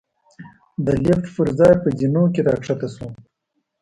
د لېفټ پر ځای په زېنو کې را کښته شوو.